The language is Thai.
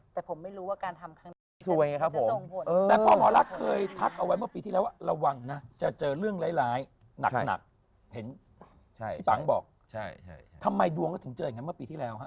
แต่ผมไม่รู้ว่าการทำข้างใน